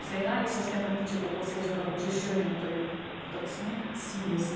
そして、日中国交正常化５０周年ということですね。